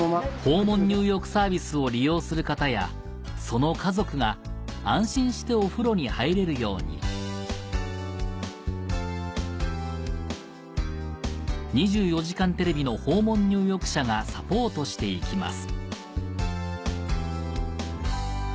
訪問入浴サービスを利用する方やその家族が安心してお風呂に入れるように『２４時間テレビ』の訪問入浴車がサポートしていきます